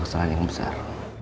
kesalahan yang besar